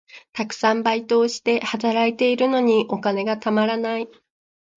たくさんバイトをして、働いているのにお金がたまらない。